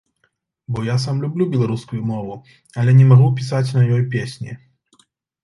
Бо я сам люблю беларускую мову, але не магу пісаць на ёй песні.